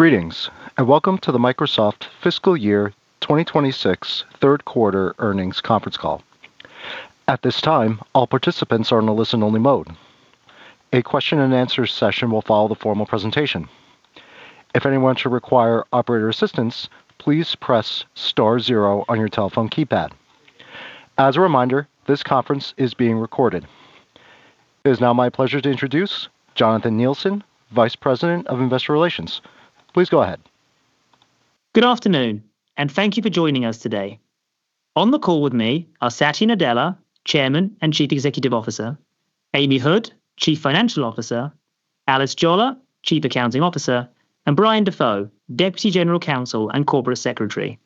It is now my pleasure to introduce Jonathan Neilson, Vice President of Investor Relations. Please go ahead. Good afternoon, and thank you for joining us today. On the call with me are Satya Nadella, Chairman and Chief Executive Officer, Amy Hood, Chief Financial Officer, Alice Jolla, Chief Accounting Officer, and Brian DeFoe, Deputy General Counsel and Corporate Secretary.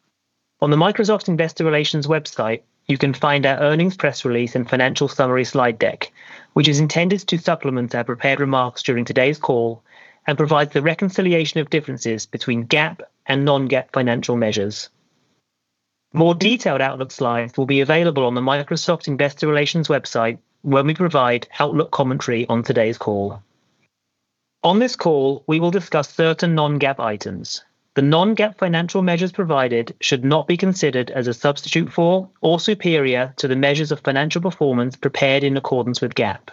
On the Microsoft Investor Relations website, you can find our earnings press release and financial summary slide deck, which is intended to supplement our prepared remarks during today's call and provides the reconciliation of differences between GAAP and non-GAAP financial measures. More detailed outlook slides will be available on the Microsoft Investor Relations website when we provide outlook commentary on today's call. On this call, we will discuss certain non-GAAP items. The non-GAAP financial measures provided should not be considered as a substitute for or superior to the measures of financial performance prepared in accordance with GAAP.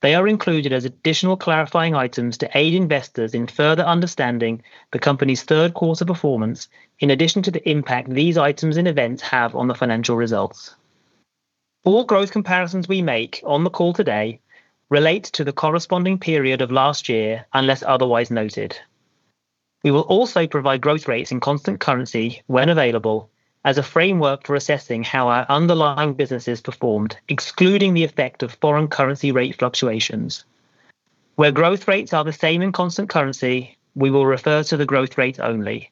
They are included as additional clarifying items to aid investors in further understanding the company's third quarter performance in addition to the impact these items and events have on the financial results. All growth comparisons we make on the call today relate to the corresponding period of last year, unless otherwise noted. We will also provide growth rates in constant currency when available as a framework for assessing how our underlying businesses performed, excluding the effect of foreign currency rate fluctuations. Where growth rates are the same in constant currency, we will refer to the growth rate only.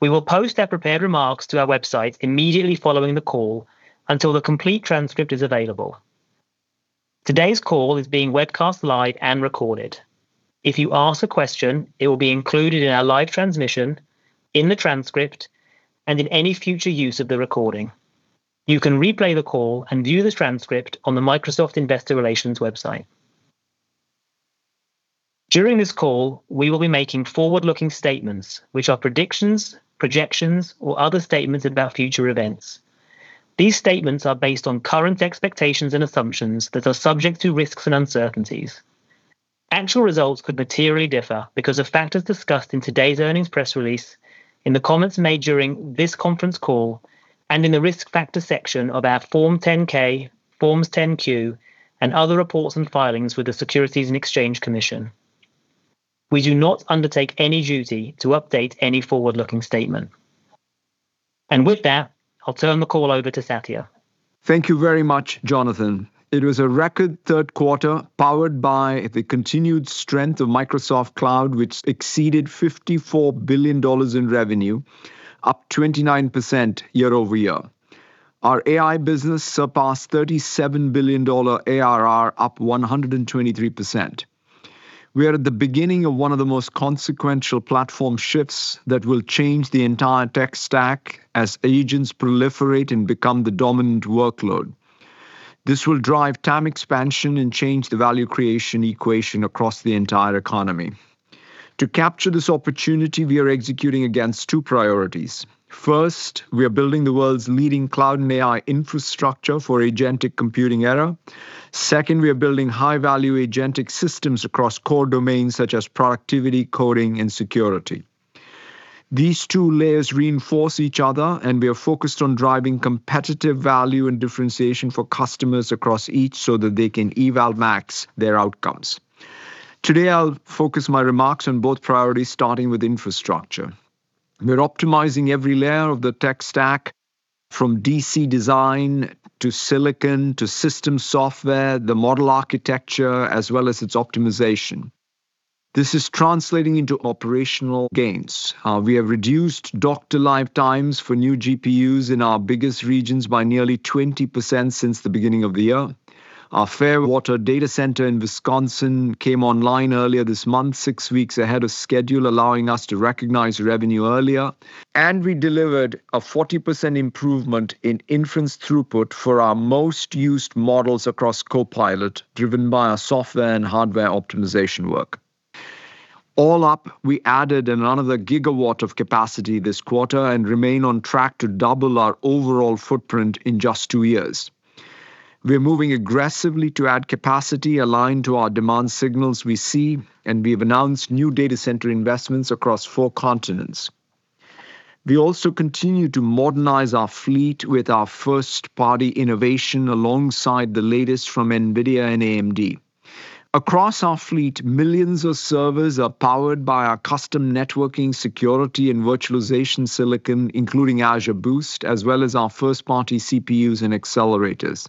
We will post our prepared remarks to our website immediately following the call until the complete transcript is available. Today's call is being webcast live and recorded. If you ask a question, it will be included in our live transmission, in the transcript, and in any future use of the recording. You can replay the call and view the transcript on the Microsoft Investor Relations website. During this call, we will be making forward-looking statements, which are predictions, projections, or other statements about future events. These statements are based on current expectations and assumptions that are subject to risks and uncertainties. Actual results could materially differ because of factors discussed in today's earnings press release, in the comments made during this conference call, and in the Risk Factors section of our Form 10-K, Forms 10-Q, and other reports and filings with the Securities and Exchange Commission. We do not undertake any duty to update any forward-looking statement. With that, I'll turn the call over to Satya. Thank you very much, Jonathan. It was a record third quarter powered by the continued strength of Microsoft Cloud, which exceeded $54 billion in revenue, up 29% year-over-year. Our AI business surpassed $37 billion ARR, up 123%. We are at the beginning of one of the most consequential platform shifts that will change the entire tech stack as agents proliferate and become the dominant workload. This will drive TAM expansion and change the value creation equation across the entire economy. To capture this opportunity, we are executing against two priorities. First, we are building the world's leading cloud and AI infrastructure for agentic computing era. Second, we are building high-value agentic systems across core domains such as productivity, coding, and security. These two layers reinforce each other. We are focused on driving competitive value and differentiation for customers across each so that they can eval max their outcomes. Today, I'll focus my remarks on both priorities, starting with infrastructure. We're optimizing every layer of the tech stack, from DC design to silicon to systems software, the model architecture, as well as its optimization. This is translating into operational gains. We have reduced dock-to-live times for new GPUs in our biggest regions by nearly 20% since the beginning of the year. Our Fairwater data center in Wisconsin came online earlier this month, six weeks ahead of schedule, allowing us to recognize revenue earlier. We delivered a 40% improvement in inference throughput for our most used models across Copilot, driven by our software and hardware optimization work. All up, we added another gigawatt of capacity this quarter and remain on track to double our overall footprint in just two years. We are moving aggressively to add capacity aligned to our demand signals we see, and we've announced new data center investments across four continents. We also continue to modernize our fleet with our first-party innovation alongside the latest from NVIDIA and AMD. Across our fleet, millions of servers are powered by our custom networking, security, and virtualization silicon, including Azure Boost, as well as our first-party CPUs and accelerators.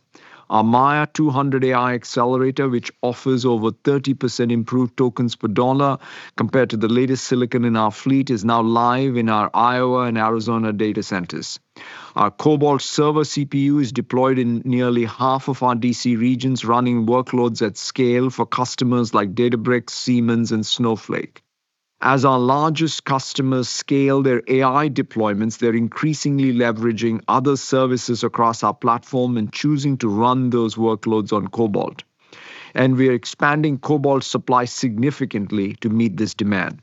Our Maia 200 AI accelerator, which offers over 30% improved tokens per dollar compared to the latest silicon in our fleet, is now live in our Iowa and Arizona data centers. Our Cobalt server CPU is deployed in nearly half of our DC regions, running workloads at scale for customers like Databricks, Siemens, and Snowflake. As our largest customers scale their AI deployments, they're increasingly leveraging other services across our platform and choosing to run those workloads on Cobalt. We are expanding Cobalt supply significantly to meet this demand.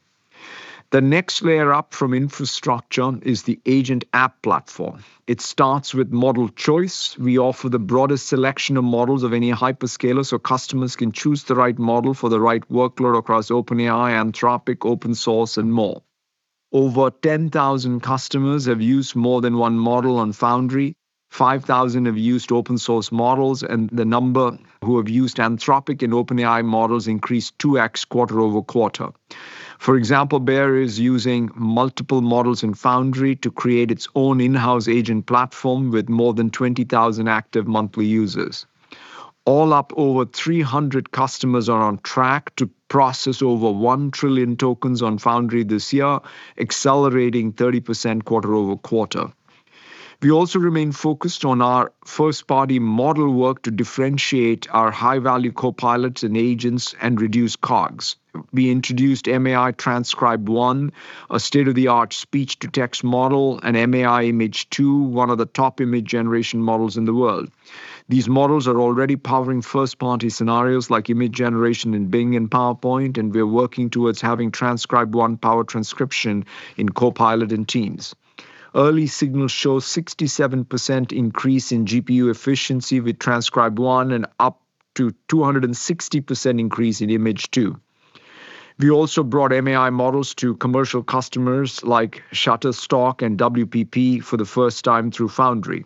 The next layer up from infrastructure is the agent app platform. It starts with model choice. We offer the broadest selection of models of any hyperscaler, so customers can choose the right model for the right workload across OpenAI, Anthropic, open source, and more. Over 10,000 customers have used more than one model on Foundry, 5,000 have used open-source models, and the number who have used Anthropic and OpenAI models increased 2x quarter-over-quarter. For example, Bayer is using multiple models in Microsoft Foundry to create its own in-house agent platform with more than 20,000 active monthly users. All up, over 300 customers are on track to process over 1 trillion tokens on Microsoft Foundry this year, accelerating 30% quarter-over-quarter. We also remain focused on our first-party model work to differentiate our high-value copilots and agents and reduce cogs. We introduced MAI-Transcribe-1, a state-of-the-art speech-to-text model, and MAI-Image-2, one of the top image generation models in the world. These models are already powering first-party scenarios like image generation in Microsoft Bing and Microsoft PowerPoint. We're working towards having Transcribe-One power transcription in Copilot and Microsoft Teams. Early signals show 67% increase in GPU efficiency with Transcribe-One and up to 260% increase in Image-Two. We also brought MAI models to commercial customers like Shutterstock and WPP for the first time through Foundry.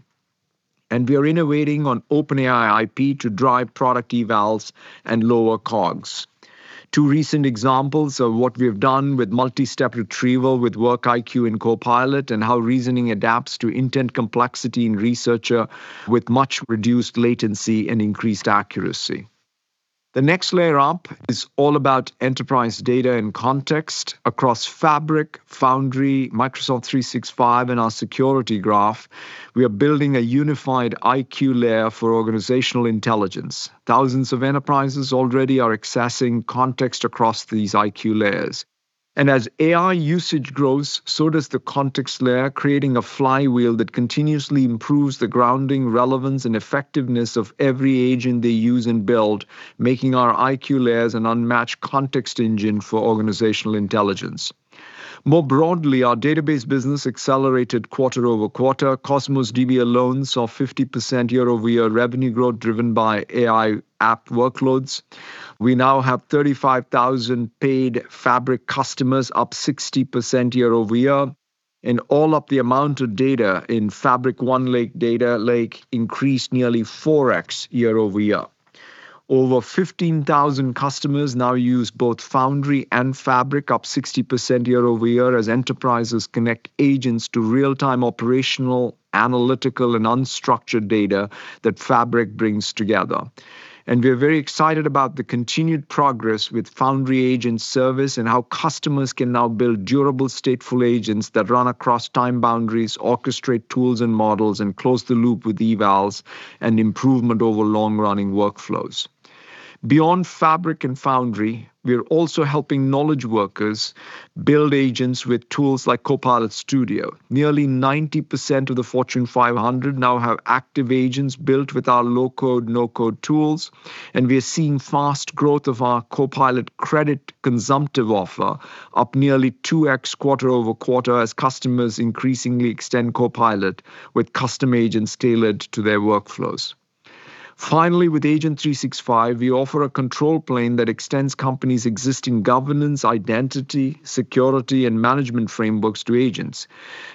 We are innovating on OpenAI IP to drive product evals and lower cogs. Two recent examples of what we have done with multi-step retrieval with Work IQ in Copilot and how reasoning adapts to intent complexity in Researcher with much reduced latency and increased accuracy. The next layer up is all about enterprise data and context across Fabric, Foundry, Microsoft 365, and our security graph. We are building a unified IQ layer for organizational intelligence. Thousands of enterprises already are accessing context across these IQ layers. As AI usage grows, so does the context layer, creating a flywheel that continuously improves the grounding, relevance, and effectiveness of every agent they use and build, making our IQ layers an unmatched context engine for organizational intelligence. More broadly, our database business accelerated quarter-over-quarter. Cosmos DB alone saw 50% year-over-year revenue growth driven by AI app workloads. We now have 35,000 paid Fabric customers, up 60% year-over-year. In all of the amount of data in Fabric OneLake data lake increased nearly 4x year-over-year. Over 15,000 customers now use both Foundry and Fabric, up 60% year-over-year as enterprises connect agents to real-time operational, analytical, and unstructured data that Fabric brings together. We are very excited about the continued progress with Foundry Agent Service and how customers can now build durable stateful agents that run across time boundaries, orchestrate tools and models, and close the loop with evals and improvement over long-running workflows. Beyond Fabric and Foundry, we are also helping knowledge workers build agents with tools like Copilot Studio. Nearly 90% of the Fortune 500 now have active agents built with our low-code, no-code tools, and we are seeing fast growth of our Copilot credit consumptive offer, up nearly 2x quarter-over-quarter as customers increasingly extend Copilot with custom agents tailored to their workflows. Finally, with Agent 365, we offer a control plane that extends companies' existing governance, identity, security, and management frameworks to agents.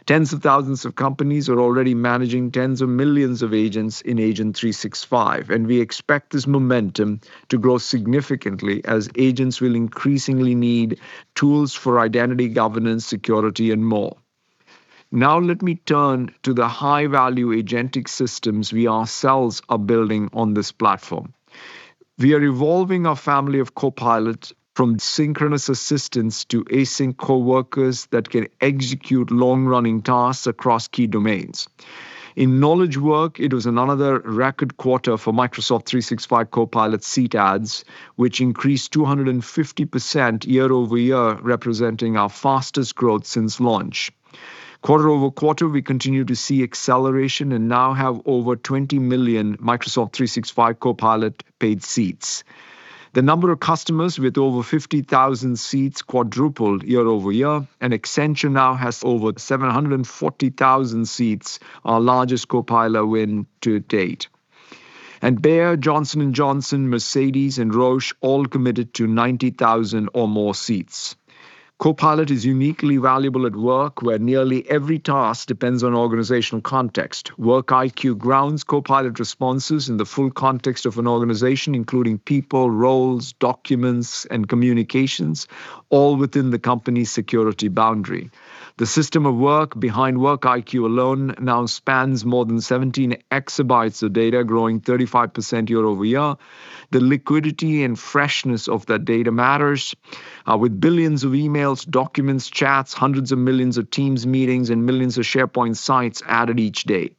Tens of thousands of companies are already managing tens of millions of agents in Agent 365, and we expect this momentum to grow significantly as agents will increasingly need tools for identity governance, security, and more. Let me turn to the high-value agentic systems we ourselves are building on this platform. We are evolving our family of Copilots from synchronous assistants to async coworkers that can execute long-running tasks across key domains. In knowledge work, it was another record quarter for Microsoft 365 Copilot seat adds, which increased 250% year-over-year, representing our fastest growth since launch. Quarter-over-quarter, we continue to see acceleration and now have over 20 million Microsoft 365 Copilot paid seats. The number of customers with over 50,000 seats quadrupled year-over-year, Accenture now has over 740,000 seats, our largest Copilot win to date. Bayer, Johnson & Johnson, Mercedes, and Roche all committed to 90,000 or more seats. Copilot is uniquely valuable at work where nearly every task depends on organizational context. Work IQ grounds Copilot responses in the full context of an organization, including people, roles, documents, and communications, all within the company's security boundary. The system of work behind Work IQ alone now spans more than 17 EB of data, growing 35% year-over-year. The liquidity and freshness of that data matters, with billions of emails, documents, chats, hundreds of millions of Teams meetings, and millions of SharePoint sites added each day.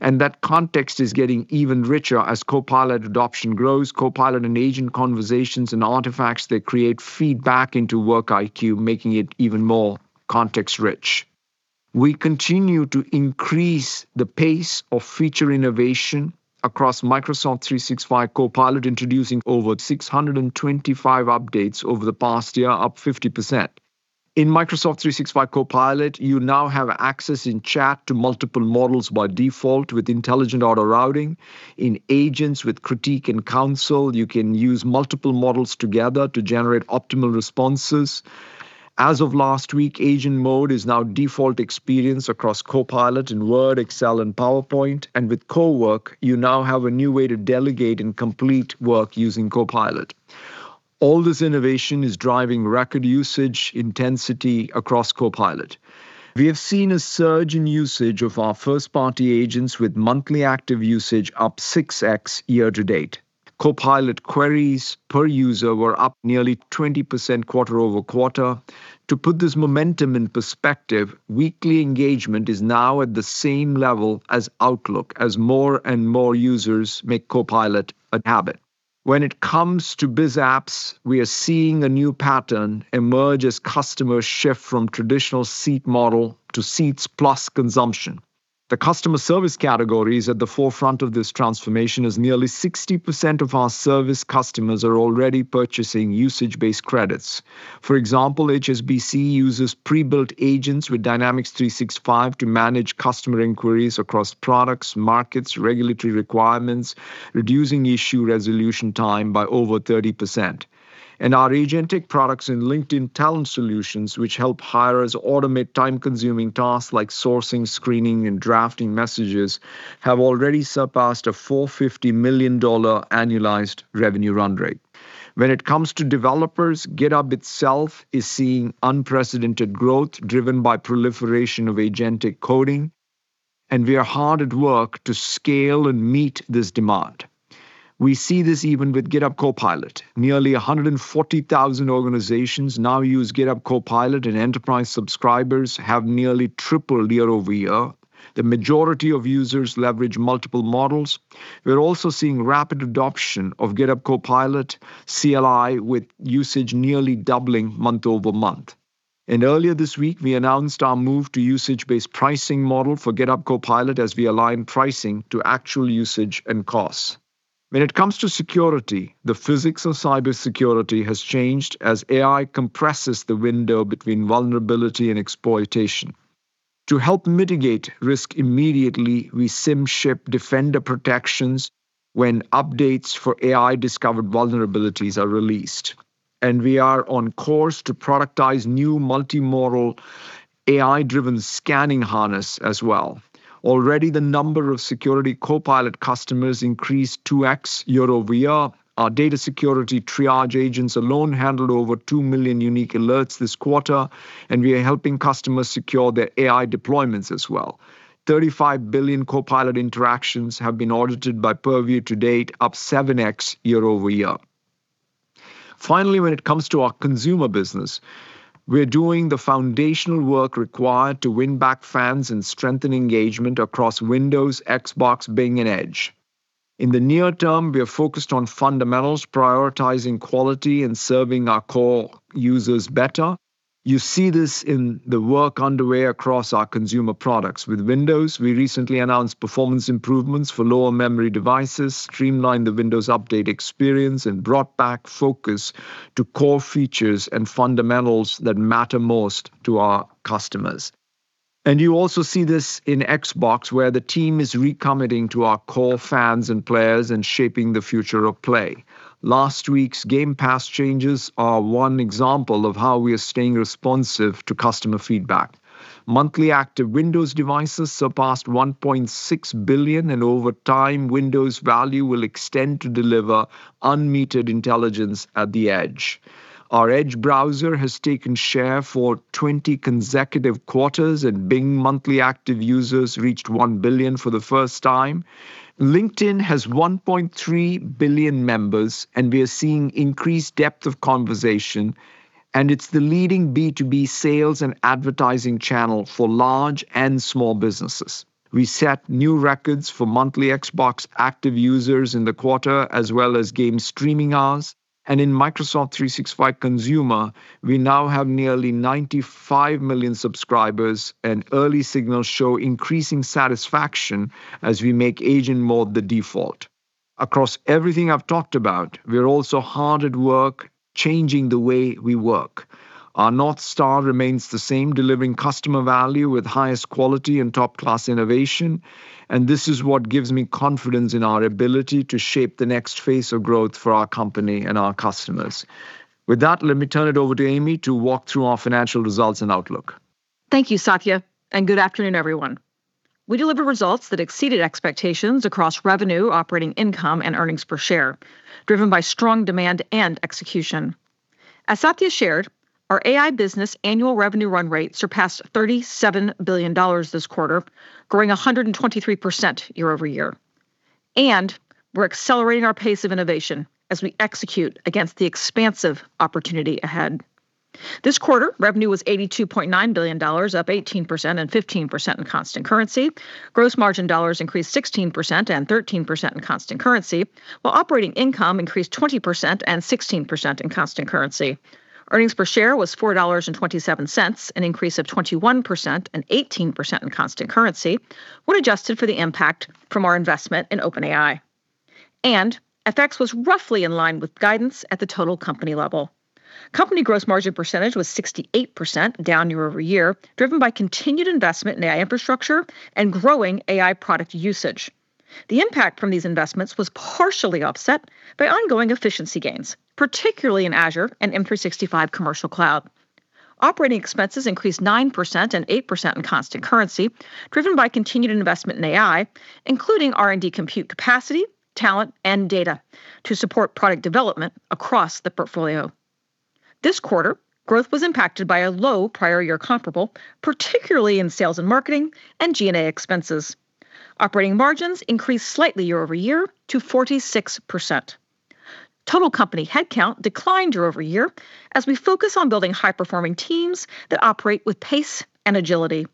That context is getting even richer as Copilot adoption grows, Copilot and agent conversations and artifacts that create feedback into Work IQ, making it even more context rich. We continue to increase the pace of feature innovation across Microsoft 365 Copilot, introducing over 625 updates over the past year, up 50%. In Microsoft 365 Copilot, you now have access in chat to multiple models by default with intelligent auto-routing. In agents with Critique and Council, you can use multiple models together to generate optimal responses. As of last week, agent mode is now default experience across Copilot in Word, Excel, and PowerPoint, and with Cowork, you now have a new way to delegate and complete work using Copilot. All this innovation is driving record usage intensity across Copilot. We have seen a surge in usage of our first-party agents with monthly active usage up 6x year-to-date. Copilot queries per user were up nearly 20% quarter-over-quarter. To put this momentum in perspective, weekly engagement is now at the same level as Outlook as more and more users make Copilot a habit. When it comes to biz apps, we are seeing a new pattern emerge as customers shift from traditional seat model to seats plus consumption. The customer service category is at the forefront of this transformation, as nearly 60% of our service customers are already purchasing usage-based credits. For example, HSBC uses pre-built agents with Dynamics 365 to manage customer inquiries across products, markets, regulatory requirements, reducing issue resolution time by over 30%. Our agentic products in LinkedIn Talent Solutions, which help hirers automate time-consuming tasks like sourcing, screening, and drafting messages, have already surpassed a $450 million annualized revenue run rate. When it comes to developers, GitHub itself is seeing unprecedented growth driven by proliferation of agentic coding, and we are hard at work to scale and meet this demand. We see this even with GitHub Copilot. Nearly 140,000 organizations now use GitHub Copilot, and enterprise subscribers have nearly tripled year-over-year. The majority of users leverage multiple models. We're also seeing rapid adoption of GitHub Copilot CLI, with usage nearly doubling month-over-month. Earlier this week, we announced our move to usage-based pricing model for GitHub Copilot as we align pricing to actual usage and costs. When it comes to security, the physics of cybersecurity has changed as AI compresses the window between vulnerability and exploitation. To help mitigate risk immediately, we sim-ship Defender protections when updates for AI-discovered vulnerabilities are released, and we are on course to productize new multi-modal AI-driven scanning harness as well. Already, the number of Security Copilot customers increased 2x year-over-year. Our data security triage agents alone handled over 2 million unique alerts this quarter, and we are helping customers secure their AI deployments as well. 35 billion Copilot interactions have been audited by Purview to date, up 7x year-over-year. Finally, when it comes to our consumer business, we're doing the foundational work required to win back fans and strengthen engagement across Windows, Xbox, Bing, and Edge. In the near term, we are focused on fundamentals, prioritizing quality and serving our core users better. You see this in the work underway across our consumer products. With Windows, we recently announced performance improvements for lower memory devices, streamlined the Windows update experience, and brought back focus to core features and fundamentals that matter most to our customers. You also see this in Xbox, where the team is recommitting to our core fans and players and shaping the future of play. Last week's Game Pass changes are one example of how we are staying responsive to customer feedback. Monthly active Windows devices surpassed 1.6 billion, and over time, Windows value will extend to deliver unmetered intelligence at the edge. Our Edge browser has taken share for 20 consecutive quarters, and Bing monthly active users reached 1 billion for the first time. LinkedIn has 1.3 billion members, and we are seeing increased depth of conversation, and it's the leading B2B sales and advertising channel for large and small businesses. We set new records for monthly Xbox active users in the quarter, as well as game streaming hours. In Microsoft 365 Consumer, we now have nearly 95 million subscribers, and early signals show increasing satisfaction as we make agent mode the default. Across everything I've talked about, we're also hard at work changing the way we work. Our North Star remains the same, delivering customer value with highest quality and top-class innovation, and this is what gives me confidence in our ability to shape the next phase of growth for our company and our customers. With that, let me turn it over to Amy to walk through our financial results and outlook. Thank you, Satya, and good afternoon, everyone. We delivered results that exceeded expectations across revenue, operating income, and earnings per share, driven by strong demand and execution. As Satya shared, our AI business annual revenue run rate surpassed $37 billion this quarter, growing 123% year-over-year. We're accelerating our pace of innovation as we execute against the expansive opportunity ahead. This quarter, revenue was $82.9 billion, up 18% and 15% in constant currency. Gross margin dollars increased 16% and 13% in constant currency, while operating income increased 20% and 16% in constant currency. Earnings per share was $4.27, an increase of 21% and 18% in constant currency when adjusted for the impact from our investment in OpenAI. FX was roughly in line with guidance at the total company level. Company gross margin percentage was 68%, down year-over-year, driven by continued investment in AI infrastructure and growing AI product usage. The impact from these investments was partially offset by ongoing efficiency gains, particularly in Azure and M365 Commercial Cloud. Operating expenses increased 9% and 8% in constant currency, driven by continued investment in AI, including R&D compute capacity, talent, and data to support product development across the portfolio. This quarter, growth was impacted by a low prior year comparable, particularly in sales and marketing and G&A expenses. Operating margins increased slightly year-over-year to 46%. Total company headcount declined year-over-year as we focus on building high-performing teams that operate with pace and agility.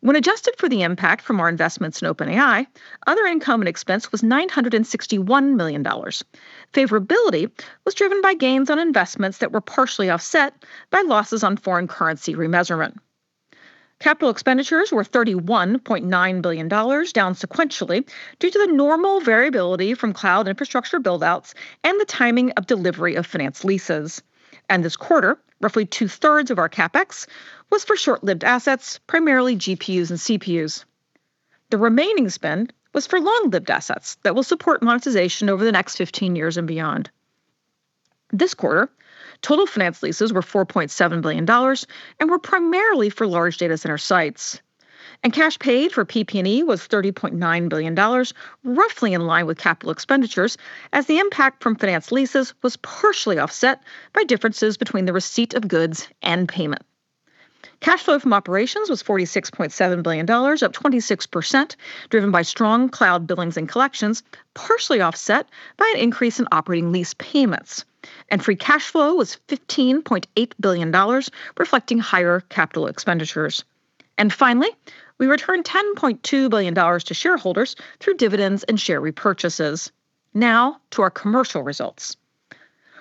When adjusted for the impact from our investments in OpenAI, other income and expense was $961 million. Favorability was driven by gains on investments that were partially offset by losses on foreign currency remeasurement. Capital expenditures were $31.9 billion, down sequentially due to the normal variability from cloud infrastructure build-outs and the timing of delivery of finance leases. This quarter, roughly 2/3 of our CapEx was for short-lived assets, primarily GPUs and CPUs. The remaining spend was for long-lived assets that will support monetization over the ne/xt 15 years and beyond. This quarter, total finance leases were $4.7 billion and were primarily for large data center sites. Cash paid for PP&E was $30.9 billion, roughly in line with capital expenditures, as the impact from finance leases was partially offset by differences between the receipt of goods and payment. Cash flow from operations was $46.7 billion, up 26%, driven by strong cloud billings and collections, partially offset by an increase in operating lease payments. Free cash flow was $15.8 billion, reflecting higher capital expenditures. Finally, we returned $10.2 billion to shareholders through dividends and share repurchases. Now to our commercial results.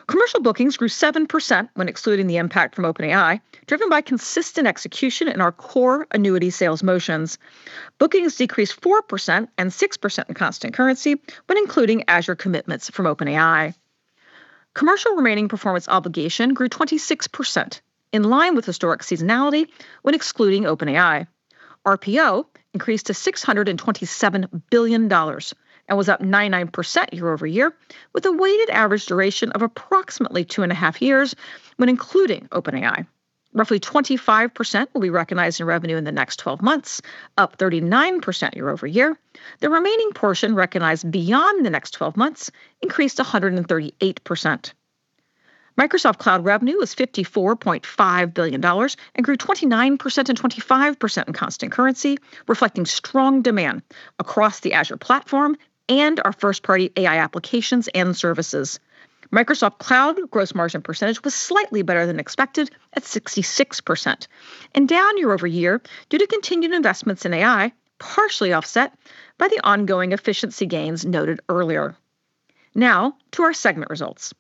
Commercial bookings grew 7% when excluding the impact from OpenAI, driven by consistent execution in our core annuity sales motions. Bookings decreased 4% and 6% in constant currency when including Azure commitments from OpenAI. Commercial remaining performance obligation grew 26%, in line with historic seasonality when excluding OpenAI. RPO increased to $627 billion and was up 99% year-over-year, with a weighted average duration of approximately 2.5 years when including OpenAI. Roughly 25% will be recognized in revenue in the next 12 months, up 39% year-over-year. The remaining portion recognized beyond the next 12 months increased 138%. Microsoft Cloud revenue was $54.5 billion and grew 29% and 25% in constant currency, reflecting strong demand across the Azure platform and our first-party AI applications and services. Microsoft Cloud gross margin percentage was slightly better than expected at 66% and down year-over-year due to continued investments in AI, partially offset by the ongoing efficiency gains noted earlier. Now to our segment results.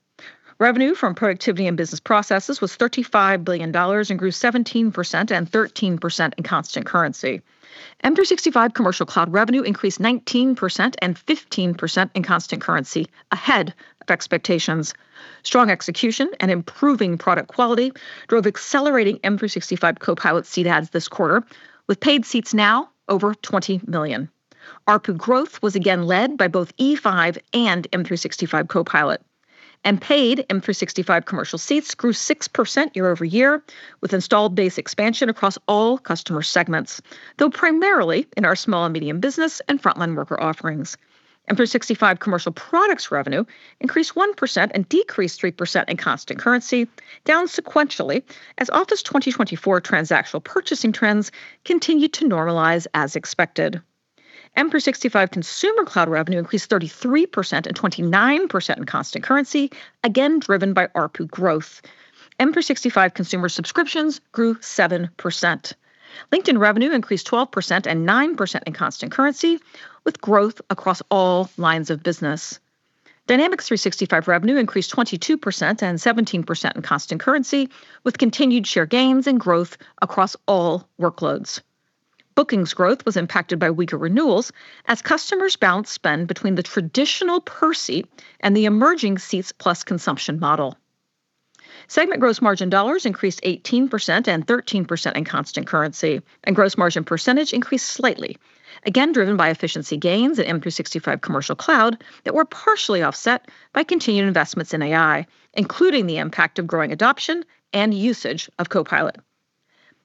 Revenue from productivity and business processes was $35 billion and grew 17% and 13% in constant currency. M365 commercial cloud revenue increased 19% and 15% in constant currency, ahead of expectations. Strong execution and improving product quality drove accelerating M365 Copilot seat adds this quarter, with paid seats now over 20 million. ARPU growth was again led by both E5 and M365 Copilot. Paid M365 commercial seats grew 6% year-over-year, with installed base expansion across all customer segments, though primarily in our small and medium business and frontline worker offerings. M365 commercial products revenue increased 1% and decreased 3% in constant currency, down sequentially as Office 2024 transactional purchasing trends continued to normalize as expected. M365 consumer cloud revenue increased 33% and 29% in constant currency, again driven by ARPU growth. M365 consumer subscriptions grew 7%. LinkedIn revenue increased 12% and 9% in constant currency, with growth across all lines of business. Dynamics 365 revenue increased 22% and 17% in constant currency, with continued share gains and growth across all workloads. Bookings growth was impacted by weaker renewals as customers balanced spend between the traditional per seat and the emerging seats plus consumption model. Segment gross margin dollars increased 18% and 13% in constant currency, and gross margin percentage increased slightly, again driven by efficiency gains in M365 commercial cloud that were partially offset by continued investments in AI, including the impact of growing adoption and usage of Copilot.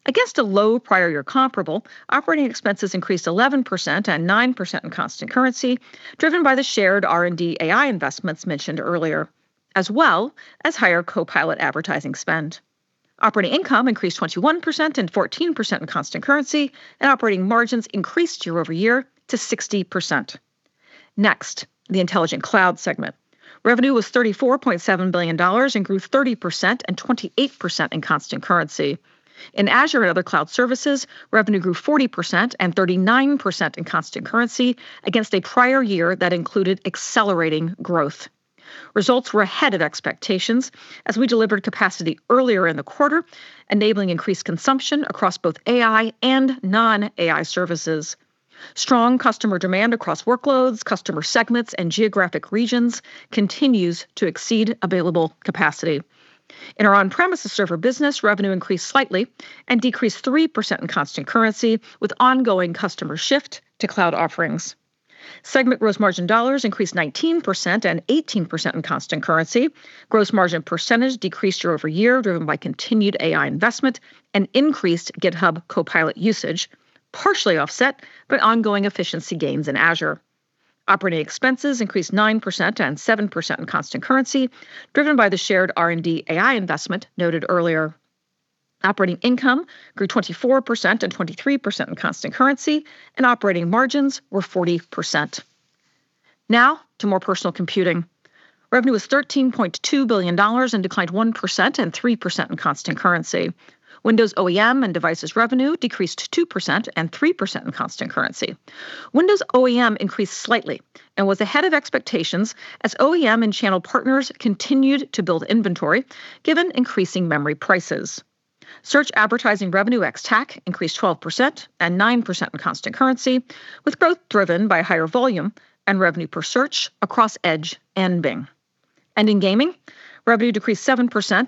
Against a low prior year comparable, operating expenses increased 11% and 9% in constant currency, driven by the shared R&D AI investments mentioned earlier, as well as higher Copilot advertising spend. Operating income increased 21% and 14% in constant currency, and operating margins increased year-over-year to 60%. Next, the Intelligent Cloud segment. Revenue was $34.7 billion and grew 30% and 28% in constant currency. In Azure and other cloud services, revenue grew 40% and 39% in constant currency against a prior year that included accelerating growth. Results were ahead of expectations as we delivered capacity earlier in the quarter, enabling increased consumption across both AI and non-AI services. Strong customer demand across workloads, customer segments, and geographic regions continues to exceed available capacity. In our on-premises server business, revenue increased slightly and decreased 3% in constant currency with ongoing customer shift to cloud offerings. Segment gross margin dollars increased 19% and 18% in constant currency. Gross margin percentage decreased year-over-year, driven by continued AI investment and increased GitHub Copilot usage, partially offset by ongoing efficiency gains in Azure. Operating expenses increased 9% and 7% in constant currency, driven by the shared R&D AI investment noted earlier. Operating income grew 24% and 23% in constant currency, and operating margins were 40%. Now to more personal computing. Revenue was $13.2 billion and declined 1% and 3% in constant currency. Windows OEM and devices revenue decreased 2% and 3% in constant currency. Windows OEM increased slightly and was ahead of expectations as OEM and channel partners continued to build inventory given increasing memory prices. Search advertising revenue ex-TAC increased 12% and 9% in constant currency, with growth driven by higher volume and revenue per search across Edge and Bing. In gaming, revenue decreased 7%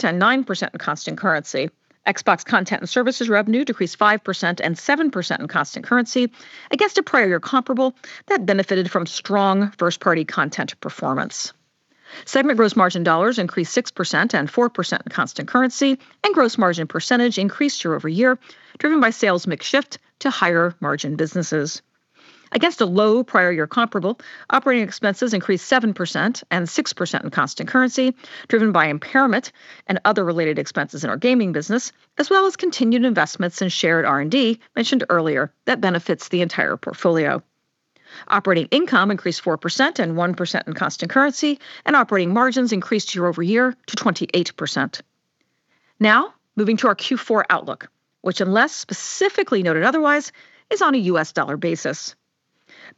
and 9% in constant currency. Xbox content and services revenue decreased 5% and 7% in constant currency against a prior year comparable that benefited from strong first-party content performance. Segment gross margin dollars increased 6% and 4% in constant currency, and gross margin percentage increased year-over-year, driven by sales mix shift to higher margin businesses. Against a low prior year comparable, operating expenses increased 7% and 6% in constant currency, driven by impairment and other related expenses in our gaming business, as well as continued investments in shared R&D mentioned earlier that benefits the entire portfolio. Operating income increased 4% and 1% in constant currency, and operating margins increased year-over-year to 28%. Now, moving to our Q4 outlook, which unless specifically noted otherwise, is on a U.S. dollar basis.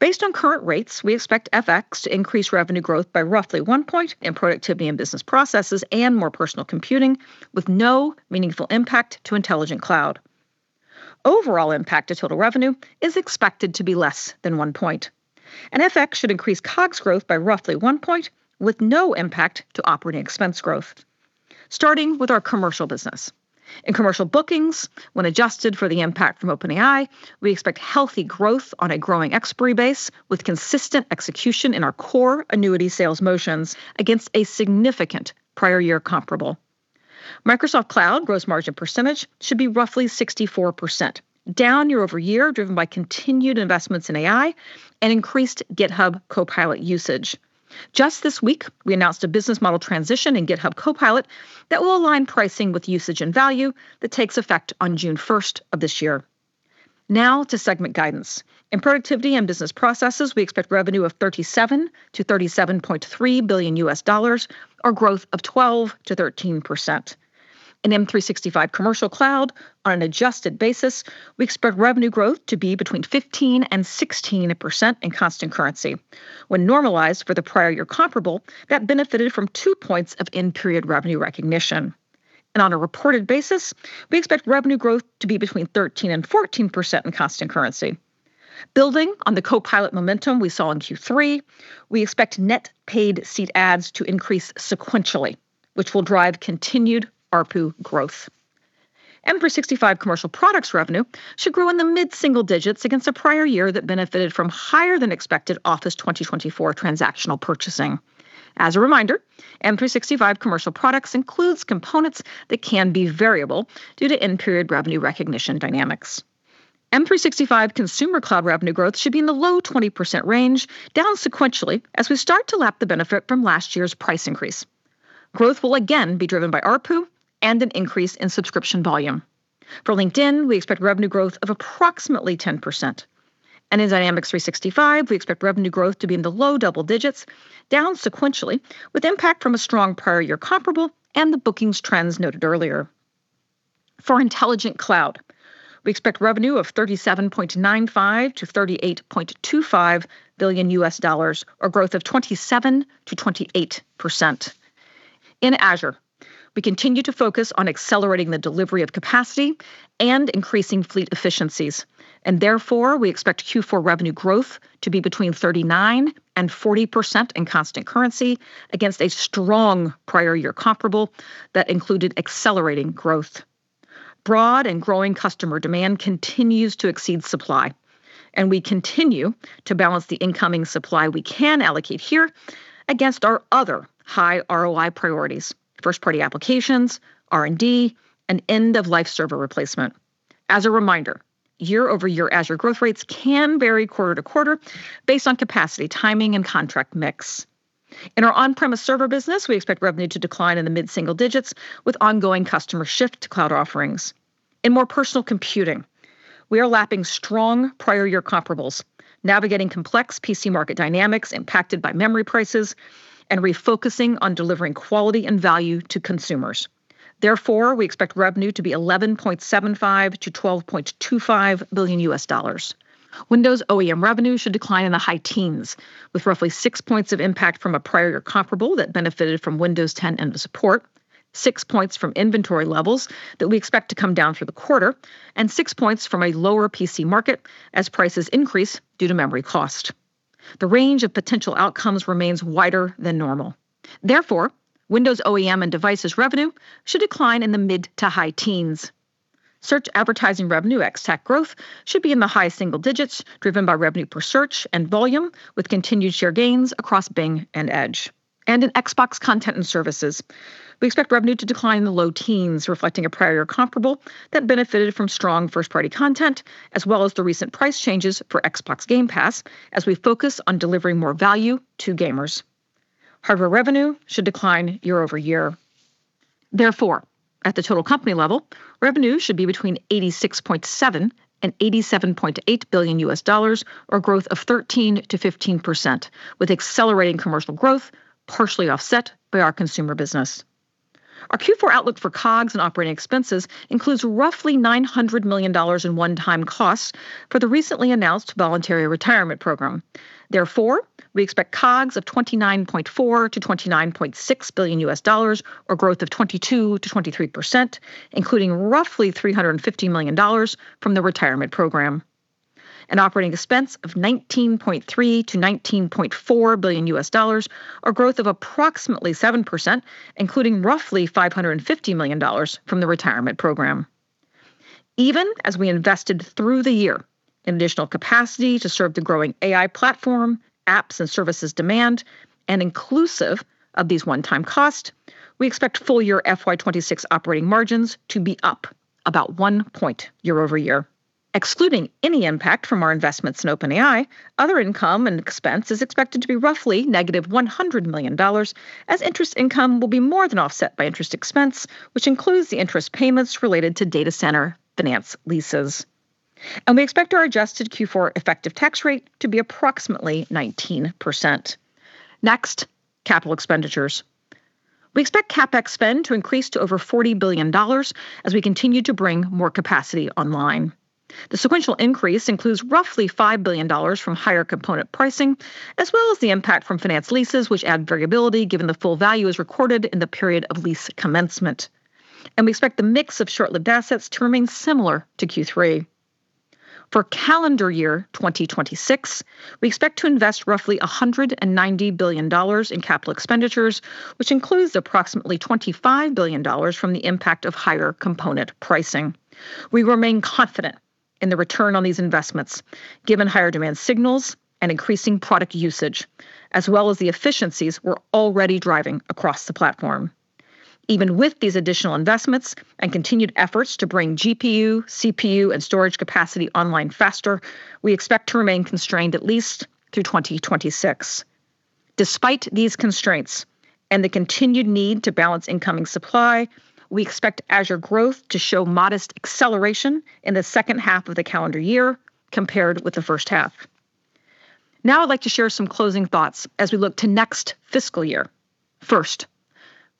Based on current rates, we expect FX to increase revenue growth by roughly one point in Productivity and Business Processes and More Personal Computing with no meaningful impact to Intelligent Cloud. Overall impact to total revenue is expected to be less than one point, and FX should increase COGS growth by roughly one point with no impact to operating expense growth. Starting with our commercial business. In commercial bookings, when adjusted for the impact from OpenAI, we expect healthy growth on a growing expiry base with consistent execution in our core annuity sales motions against a significant prior year comparable. Microsoft Cloud gross margin percentage should be roughly 64%, down year-over-year, driven by continued investments in AI and increased GitHub Copilot usage. Just this week, we announced a business model transition in GitHub Copilot that will align pricing with usage and value that takes effect on June 1st of this year. Now to segment guidance. In Productivity and Business Processes, we expect revenue of $37 billion-$37.3 billion or growth of 12%-13%. In M365 commercial cloud, on an adjusted basis, we expect revenue growth to be between 15% and 16% in constant currency. When normalized for the prior year comparable, that benefited from two points of in-period revenue recognition. On a reported basis, we expect revenue growth to be between 13% and 14% in constant currency. Building on the Copilot momentum we saw in Q3, we expect net paid seat adds to increase sequentially, which will drive continued ARPU growth. M365 commercial products revenue should grow in the mid-single digits against a prior year that benefited from higher than expected Office 2024 transactional purchasing. As a reminder, M365 commercial products includes components that can be variable due to in-period revenue recognition dynamics. M365 consumer cloud revenue growth should be in the low 20% range, down sequentially as we start to lap the benefit from last year's price increase. Growth will again be driven by ARPU and an increase in subscription volume. For LinkedIn, we expect revenue growth of approximately 10%. In Dynamics 365, we expect revenue growth to be in the low double digits, down sequentially, with impact from a strong prior year comparable and the bookings trends noted earlier. For Intelligent Cloud, we expect revenue of $37.95 billion-$38.25 billion or growth of 27%-28%. In Azure, we continue to focus on accelerating the delivery of capacity and increasing fleet efficiencies, and therefore, we expect Q4 revenue growth to be between 39% and 40% in constant currency against a strong prior year comparable that included accelerating growth. Broad and growing customer demand continues to exceed supply, and we continue to balance the incoming supply we can allocate here against our other high ROI priorities, first-party applications, R&D, and end-of-life server replacement. As a reminder, year-over-year Azure growth rates can vary quarter-to-quarter based on capacity, timing, and contract mix. In our on-premise server business, we expect revenue to decline in the mid-single digits with ongoing customer shift to cloud offerings. In more personal computing, we are lapping strong prior year comparables, navigating complex PC market dynamics impacted by memory prices and refocusing on delivering quality and value to consumers. Therefore, we expect revenue to be $11.75 billion-$12.25 billion. Windows OEM revenue should decline in the high teens, with roughly six points of impact from a prior comparable that benefited from Windows 10 end of support, six points from inventory levels that we expect to come down through the quarter, and six points from a lower PC market as prices increase due to memory cost. The range of potential outcomes remains wider than normal. Therefore, Windows OEM and devices revenue should decline in the mid to high teens. Search advertising revenue ex-TAC growth should be in the high single digits, driven by revenue per search and volume, with continued share gains across Bing and Edge. In Xbox content and services, we expect revenue to decline in the low teens%, reflecting a prior comparable that benefited from strong first-party content as well as the recent price changes for Xbox Game Pass as we focus on delivering more value to gamers. Hardware revenue should decline year-over-year. Therefore, at the total company level, revenue should be between $86.7 billion and $87.8 billion, or growth of 13%-15%, with accelerating commercial growth partially offset by our consumer business. Our Q4 outlook for COGS and operating expenses includes roughly $900 million in one-time costs for the recently announced voluntary retirement program. Therefore, we expect COGS of $29.4 billion-$29.6 billion, or growth of 22%-23%, including roughly $350 million from the retirement program. Operating expense of $19.3 billion-$19.4 billion, or growth of approximately 7%, including roughly $550 million from the retirement program. Even as we invested through the year in additional capacity to serve the growing AI platform, apps and services demand, and inclusive of these one-time costs, we expect full-year FY 2026 operating margins to be up about oone point year-over-year. Excluding any impact from our investments in OpenAI, other income and expense is expected to be roughly -$100 million, as interest income will be more than offset by interest expense, which includes the interest payments related to data center finance leases. We expect our adjusted Q4 effective tax rate to be approximately 19%. Next, capital expenditures. We expect CapEx spend to increase to over $40 billion as we continue to bring more capacity online. The sequential increase includes roughly $5 billion from higher component pricing, as well as the impact from finance leases, which add variability given the full value is recorded in the period of lease commencement. We expect the mix of short-lived assets to remain similar to Q3. For calendar year 2026, we expect to invest roughly $190 billion in capital expenditures, which includes approximately $25 billion from the impact of higher component pricing. We remain confident in the return on these investments, given higher demand signals and increasing product usage, as well as the efficiencies we're driving across the platform. Even with these additional investments and continued efforts to bring GPU, CPU, and storage capacity online faster, we expect to remain constrained at least through 2026. Despite these constraints and the continued need to balance incoming supply, we expect Azure growth to show modest acceleration in the second half of the calendar year compared with the first half. Now I'd like to share some closing thoughts as we look to next fiscal year. First,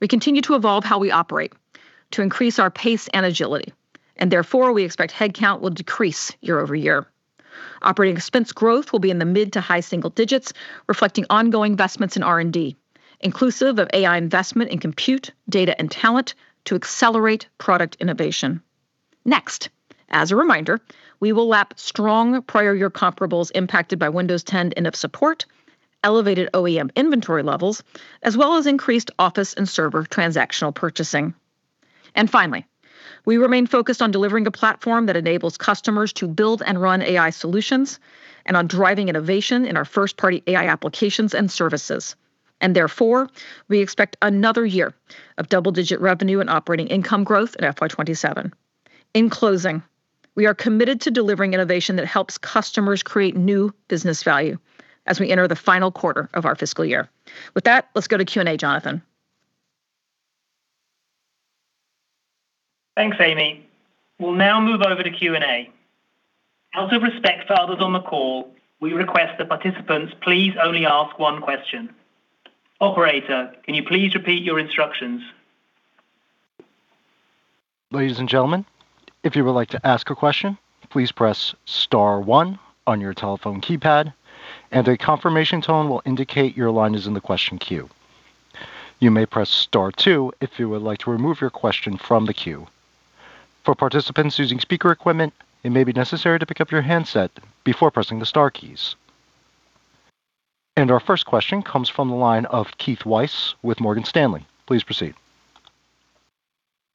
we continue to evolve how we operate to increase our pace and agility, and therefore, we expect head count will decrease year-over-year. Operating expense growth will be in the mid to high single digits, reflecting ongoing investments in R&D, inclusive of AI investment in compute, data, and talent to accelerate product innovation. Next, as a reminder, we will lap strong prior year comparables impacted by Windows 10 end of support, elevated OEM inventory levels, as well as increased Office and server transactional purchasing. Finally, we remain focused on delivering a platform that enables customers to build and run AI solutions and on driving innovation in our first-party AI applications and services. Therefore, we expect another year of double-digit revenue and operating income growth at FY 2027. In closing, we are committed to delivering innovation that helps customers create new business value as we enter the final quarter of our fiscal year. With that, let's go to Q&A, Jonathan. Thanks, Amy. We'll now move over to Q&A. Out of respect for others on the call, we request that participants please only ask one question. Operator, can you please repeat your instructions? Ladies and gentlemen, if you would like to ask a question, please press star one on your telephone keypad and a confirmation tone will indicate your line is in the question queue. You may press star two if you would like to remove your question from the queue. For participants using speaker equipment, it may be necessary to pick up your handset before pressing the star keys. Our first question comes from the line of Keith Weiss with Morgan Stanley. Please proceed.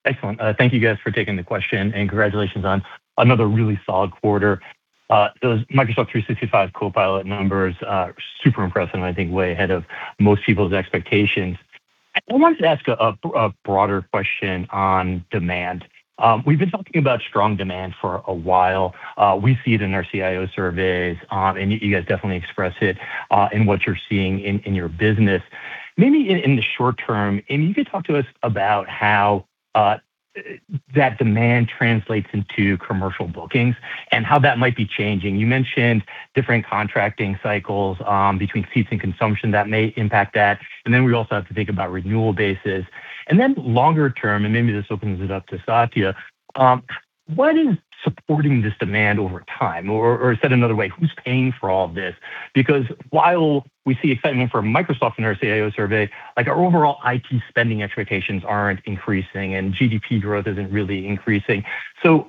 Excellent. Thank you guys for taking the question, and congratulations on another really solid quarter. Those Microsoft 365 Copilot numbers are super impressive and I think way ahead of most people's expectations. I wanted to ask a broader question on demand. We've been talking about strong demand for a while. We see it in our CIO surveys, and you guys definitely express it in what you're seeing in your business. Maybe in the short term, Amy, you could talk to us about how that demand translates into commercial bookings and how that might be changing. You mentioned different contracting cycles between seats and consumption that may impact that, and then we also have to think about renewal bases. Longer term, maybe this opens it up to Satya, what is supporting this demand over time? Or said another way, who's paying for all of this? Because while we see excitement for Microsoft in our CIO survey, like, our overall IT spending expectations aren't increasing, and GDP growth isn't really increasing.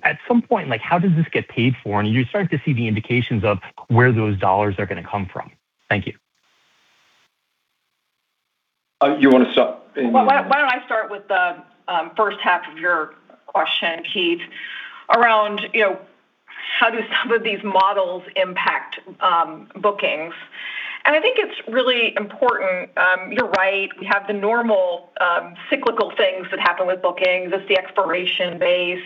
At some point, like, how does this get paid for? Are you starting to see the indications of where those dollars are gonna come from? Thank you. You wanna start, Amy? Well, why don't I start with the first half of your question, Keith, around, you know, how do some of these models impact bookings? I think it's really important, you're right, we have the normal cyclical things that happen with bookings. It's the expiration base,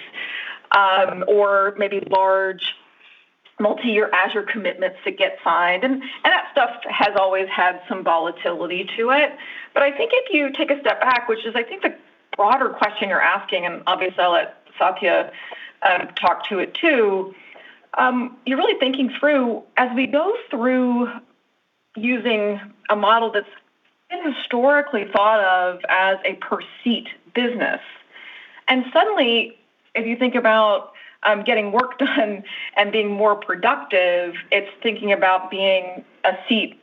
or maybe large multi-year Azure commitments that get signed, and that stuff has always had some volatility to it. I think if you take a step back, which is I think the broader question you're asking, and obviously I'll let Satya talk to it too, you're really thinking through as we go through using a model that's been historically thought of as a per-seat business, and suddenly if you think about getting work done and being more productive, it's thinking about being a seat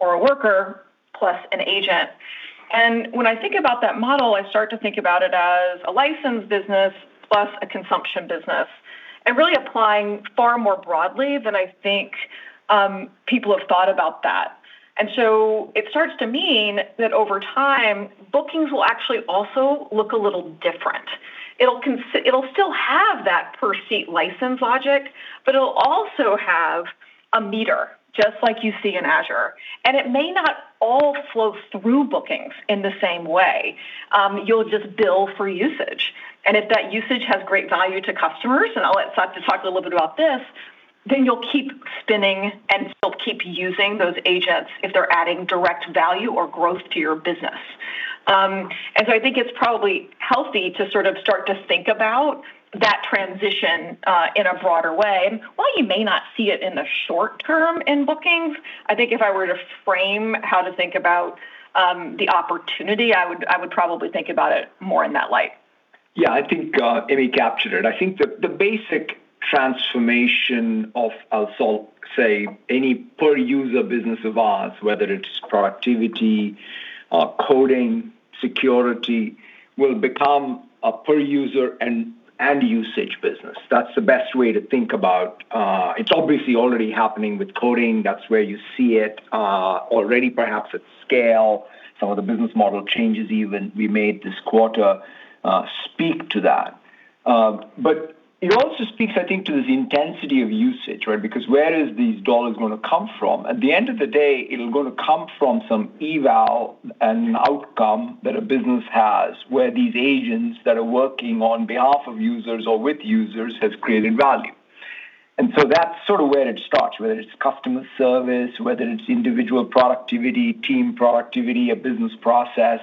or a worker plus an agent. When I think about that model, I start to think about it as a license business plus a consumption business, and really applying far more broadly than I think people have thought about that. It starts to mean that over time bookings will actually also look a little different. It'll still have that per-seat license logic, but it'll also have a meter, just like you see in Azure, and it may not all flow through bookings in the same way. You'll just bill for usage, and if that usage has great value to customers, and I'll let Satya talk a little bit about this, then you'll keep spinning and you'll keep using those agents if they're adding direct value or growth to your business. I think it's probably healthy to sort of start to think about that transition in a broader way. While you may not see it in the short term in bookings, I think if I were to frame how to think about the opportunity, I would probably think about it more in that light. Yeah. I think Amy captured it. I think the basic transformation of, I'll say, any per-user business of ours, whether it's productivity, coding, security, will become a per-user and usage business. That's the best way to think about. It's obviously already happening with coding. That's where you see it already perhaps at scale. Some of the business model changes even we made this quarter speak to that. But it also speaks, I think, to the intensity of usage, right? Because where these dollars gonna come from? At the end of the day, it'll come from some eval and outcome that a business has, where these agents that are working on behalf of users or with users has created value. That's sort of where it starts. Whether it's customer service, whether it's individual productivity, team productivity, a business process,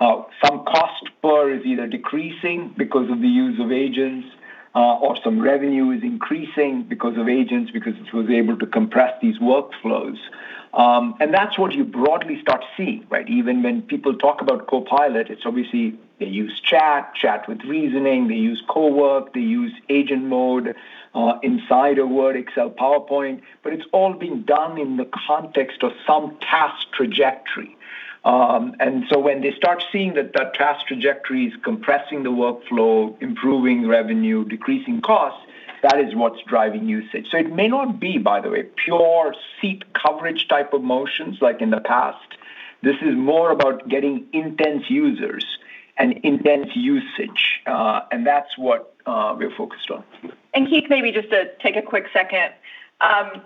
some cost or is either decreasing because of the use of agents, or some revenue is increasing because of agents because it was able to compress these workflows. That's what you broadly start seeing, right? Even when people talk about Copilot, it's obviously they use chat with reasoning, they use Cowork, they use agent mode, inside a Word, Excel, PowerPoint, but it's all being done in the context of some task trajectory. When they start seeing that task trajectory is compressing the workflow, improving revenue, decreasing costs, that is what's driving usage. It may not be, by the way, pure seat coverage type of motions like in the past. This is more about getting intense users and intense usage, and that's what we're focused on. Keith, maybe just to take a quick second,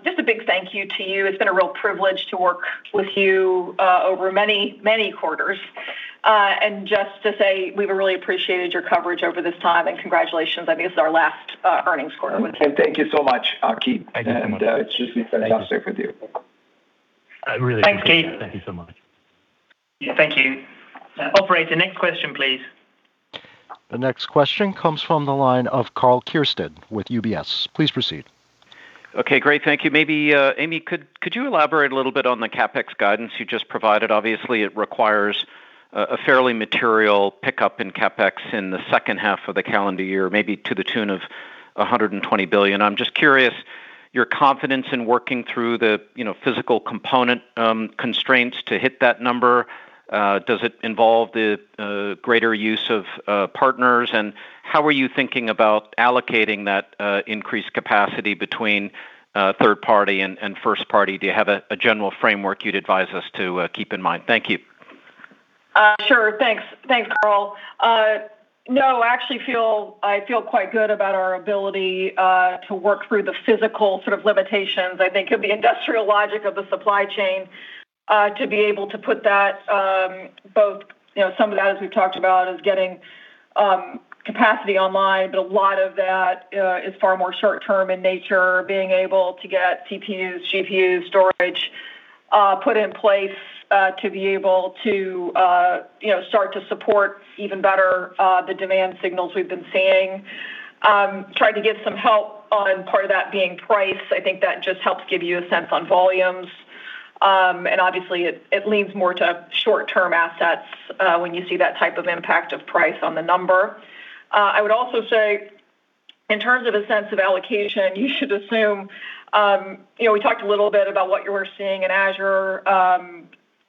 just a big thank you to you. It's been a real privilege to work with you, over many, many quarters. Just to say we've really appreciated your coverage over this time, and congratulations. I think this is our last earnings quarter with you. Thank you so much, Keith. Thank you so much. It's just been fantastic with you. Thank you. I really appreciate it. Thanks, Keith. Thank you so much. Yeah. Thank you. Operator, next question, please. The next question comes from the line of Karl Keirstead with UBS. Please proceed. Okay. Great. Thank you. Maybe, Amy, could you elaborate a little bit on the CapEx guidance you just provided? Obviously it requires a fairly material pickup in CapEx in the second half of the calendar year, maybe to the tune of $120 billion. I'm just curious your confidence in working through the, you know, physical component, constraints to hit that number. Does it involve the greater use of partners? How are you thinking about allocating that increased capacity between third party and first party? Do you have a general framework you'd advise us to keep in mind? Thank you. Sure. Thanks. Thanks, Karl. No, I actually feel quite good about our ability to work through the physical sort of limitations, I think of the industrial logic of the supply chain, to be able to put that, both, you know, some of that, as we've talked about, is getting capacity online, but a lot of that is far more short-term in nature, being able to get CPUs, GPUs, storage, put in place, to be able to, you know, start to support even better the demand signals we've been seeing. Tried to give some help on part of that being price. I think that just helps give you a sense on volumes. Obviously it leans more to short-term assets when you see that type of impact of price on the number. I would also say in terms of a sense of allocation, you should assume, you know, we talked a little bit about what you were seeing in Azure,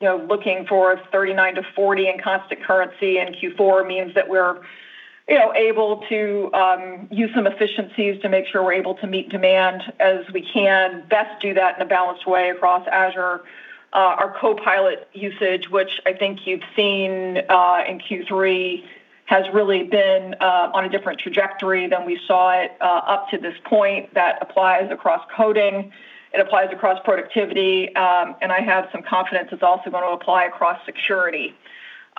you know, looking for 39-40 in constant currency in Q4 means that we're, you know, able to use some efficiencies to make sure we're able to meet demand as we can best do that in a balanced way across Azure. Our Copilot usage, which I think you've seen, in Q3, has really been on a different trajectory than we saw it up to this point. That applies across coding, it applies across productivity, and I have some confidence it's also gonna apply across security.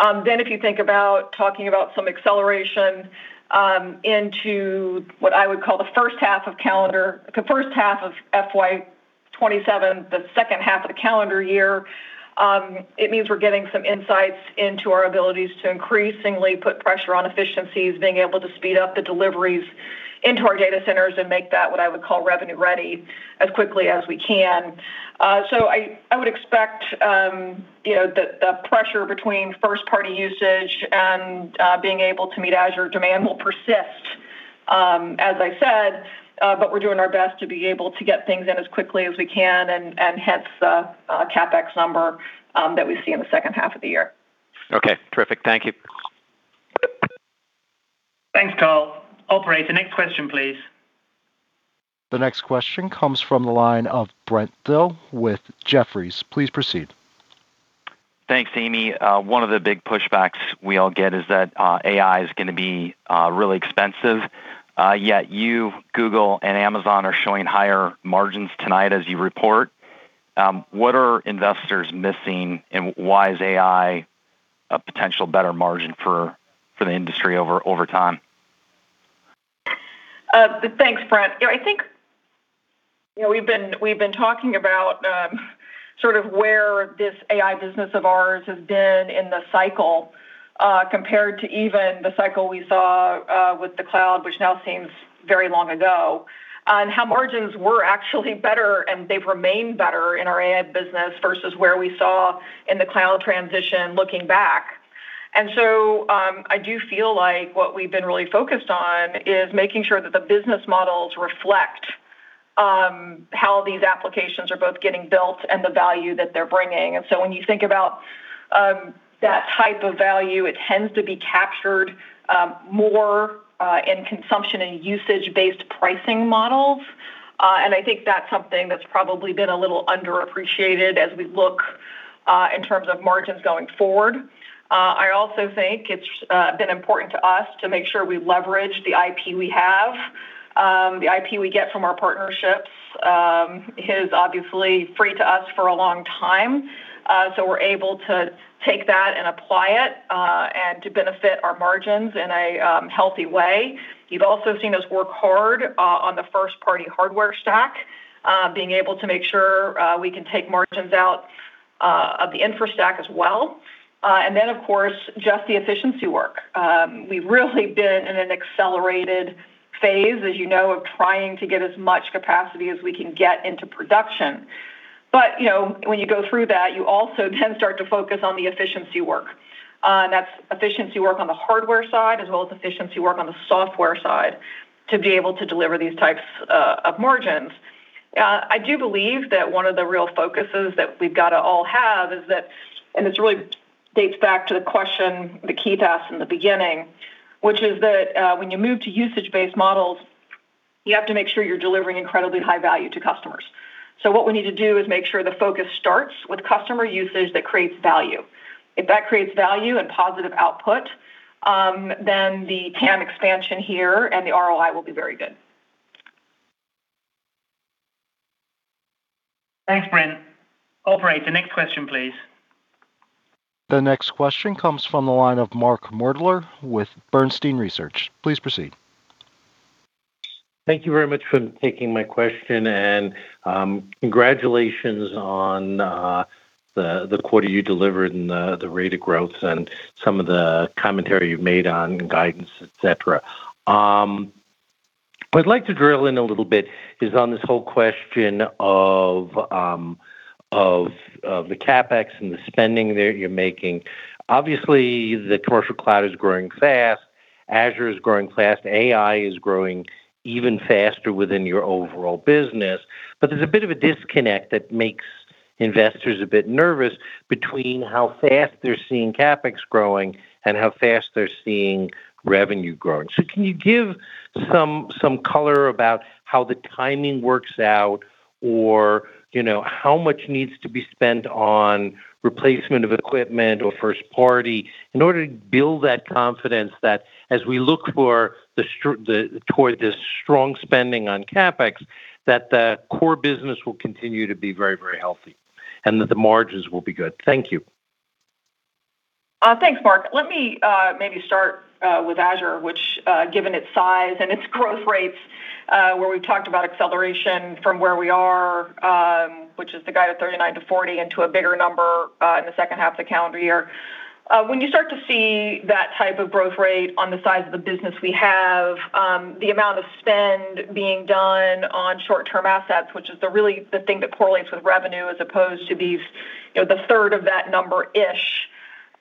If you think about talking about some acceleration, into what I would call the first half of the first half of FY 2027, the second half of the calendar year, it means we're getting some insights into our abilities to increasingly put pressure on efficiencies, being able to speed up the deliveries into our data centers and make that what I would call revenue-ready as quickly as we can. I would expect, you know, the pressure between first-party usage and being able to meet Azure demand will persist, as I said, but we're doing our best to be able to get things in as quickly as we can and hence the CapEx number that we see in the second half of the year. Okay. Terrific. Thank you. Thanks, Karl. Operator, next question, please. The next question comes from the line of Brent Thill with Jefferies. Please proceed. Thanks, Amy. One of the big pushbacks we all get is that AI is gonna be really expensive. Yet you, Google, and Amazon are showing higher margins tonight as you report. What are investors missing, and why is AI a potential better margin for the industry over time? Thanks, Brent. You know, I think, you know, we've been talking about sort of where this AI business of ours has been in the cycle compared to even the cycle we saw with the cloud, which now seems very long ago, on how margins were actually better, and they've remained better in our AI business versus where we saw in the cloud transition looking back. I do feel like what we've been really focused on is making sure that the business models reflect how these applications are both getting built and the value that they're bringing. When you think about that type of value, it tends to be captured more in consumption and usage-based pricing models. I think that's something that's probably been a little underappreciated as we look in terms of margins going forward. I also think it's been important to us to make sure we leverage the IP we have. The IP we get from our partnerships is obviously free to us for a long time, so we're able to take that and apply it and to benefit our margins in a healthy way. You've also seen us work hard on the first-party hardware stack, being able to make sure we can take margins out of the infra stack as well. Then, of course, just the efficiency work. We've really been in an accelerated phase, as you know, of trying to get as much capacity as we can get into production. You know, when you go through that, you also then start to focus on the efficiency work. That's efficiency work on the hardware side as well as efficiency work on the software side to be able to deliver these types of margins. I do believe that one of the real focuses that we've gotta all have is that, and this really dates back to the question that Keith asked in the beginning, which is that, when you move to usage-based models, you have to make sure you're delivering incredibly high value to customers. What we need to do is make sure the focus starts with customer usage that creates value. If that creates value and positive output, the TAM expansion here and the ROI will be very good. Thanks, Brent. Operator, the next question, please. The next question comes from the line of Mark Moerdler with Bernstein Research. Please proceed. Thank you very much for taking my question, and congratulations on the quarter you delivered and the rate of growth and some of the commentary you've made on guidance, et cetera. What I'd like to drill in a little bit is on this whole question of the CapEx and the spending that you're making. Obviously, the commercial cloud is growing fast. Azure is growing fast. AI is growing even faster within your overall business. There's a bit of a disconnect that makes investors a bit nervous between how fast they're seeing CapEx growing and how fast they're seeing revenue growing. Can you give some color about how the timing works out or, you know, how much needs to be spent on replacement of equipment or first party in order to build that confidence that as we look toward the strong spending on CapEx, that the core business will continue to be very, very healthy, and that the margins will be good. Thank you. Thanks, Mark. Let me maybe start with Azure, which, given its size and its growth rates, where we've talked about acceleration from where we are, which is the guide of 39%-40% into a bigger number, in the second half of the calendar year. When you start to see that type of growth rate on the size of the business we have, the amount of spend being done on short-term assets, which is the thing that correlates with revenue as opposed to these, you know, the third of that number-ish,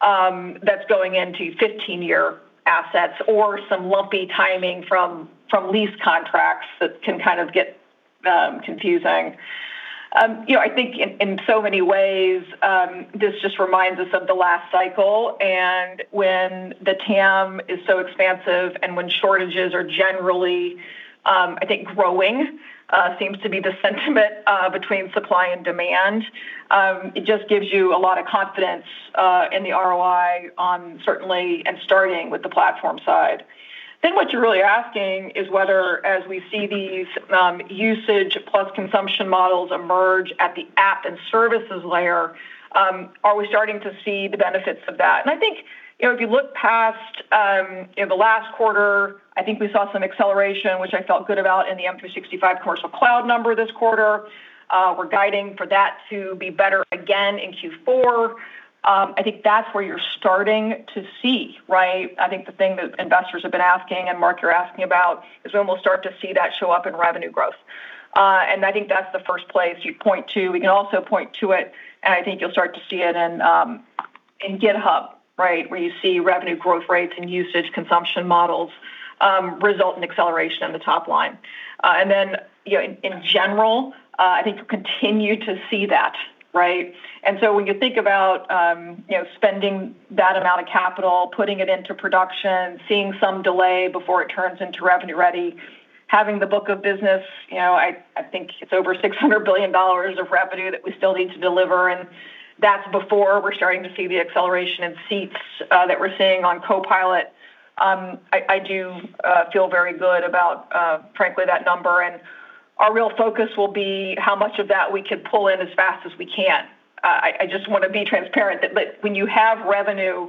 that's going into 15-year assets or some lumpy timing from lease contracts that can kind of get confusing. You know, I think in so many ways, this just reminds us of the last cycle and when the TAM is so expansive and when shortages are generally, I think growing, seems to be the sentiment between supply and demand. It just gives you a lot of confidence in the ROI on certainly and starting with the platform side. What you're really asking is whether, as we see these usage plus consumption models emerge at the app and services layer, are we starting to see the benefits of that? I think, you know, if you look past you know, the last quarter, I think we saw some acceleration, which I felt good about in the M365 commercial cloud number this quarter. We're guiding for that to be better again in Q4. I think that's where you're starting to see, right? I think the thing that investors have been asking, and Mark you're asking about, is when we'll start to see that show up in revenue growth. I think that's the first place you'd point to. We can also point to it, and I think you'll start to see it in GitHub, right, where you see revenue growth rates and usage consumption models result in acceleration on the top line. Then, you know, in general, I think you'll continue to see that, right? When you think about, you know, spending that amount of capital, putting it into production, seeing some delay before it turns into revenue ready, having the book of business, you know, I think it's over $600 billion of revenue that we still need to deliver, and that's before we're starting to see the acceleration in seats that we're seeing on Copilot. I do feel very good about, frankly, that number. Our real focus will be how much of that we can pull in as fast as we can. I just wanna be transparent that when you have revenue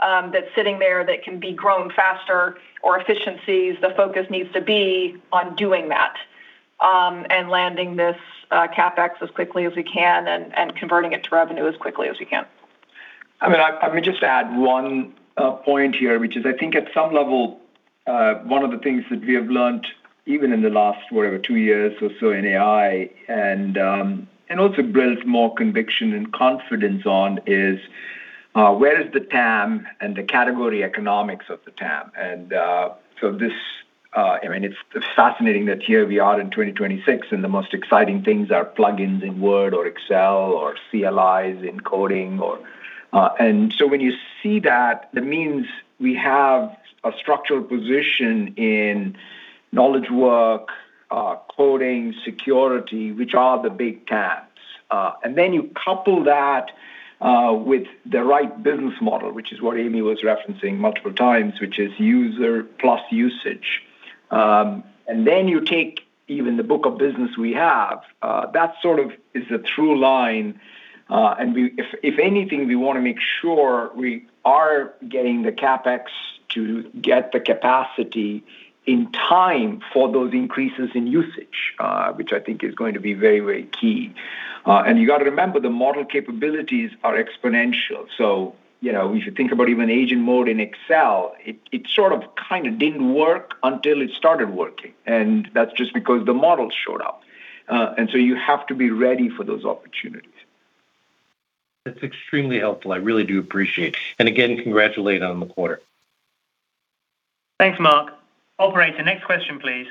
that's sitting there that can be grown faster or efficiencies, the focus needs to be on doing that and landing this CapEx as quickly as we can and converting it to revenue as quickly as we can. I mean, I would just add one point here, which is, I think at some level, one of the things that we have learned even in the last, whatever, two years or so in AI and also built more conviction and confidence on is, where is the TAM and the category economics of the TAM. This, I mean, it's fascinating that here we are in 2026 and the most exciting things are plug-ins in Word or Excel or CLIs in coding. When you see that means we have a structural position in knowledge work, coding, security, which are the big TAMs. You couple that with the right business model, which is what Amy was referencing multiple times, which is user plus usage. You take even the book of business we have, that sort of is the through line. If anything, we want to make sure we are getting the CapEx to get the capacity in time for those increases in usage, which I think is going to be very, very key. You gotta remember the model capabilities are exponential. You know, if you think about even Agent mode in Excel, it sort of kinda didn't work until it started working, and that's just because the models showed up. You have to be ready for those opportunities. That's extremely helpful. I really do appreciate. Again, congratulations on the quarter. Thanks, Mark. Operator, next question, please.